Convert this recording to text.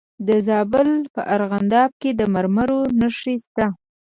د زابل په ارغنداب کې د مرمرو نښې شته.